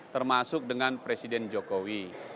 termasuk dengan presiden jokowi